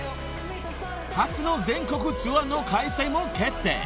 ［初の全国ツアーの開催も決定］